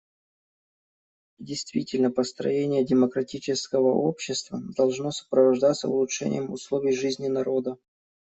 Действительно, построение демократического общества должно сопровождаться улучшением условий жизни народа.